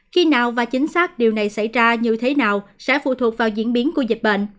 khi nào và chính xác điều này xảy ra như thế nào sẽ phụ thuộc vào diễn biến của dịch bệnh